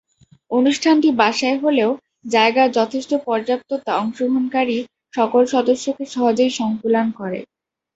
অনুষ্ঠানটি বাসায় হলেও জায়গার যথেষ্ট পর্যাপ্ততা অংশগ্রহণকারী সকল সদস্যকে সহজেই সংকুলান করে।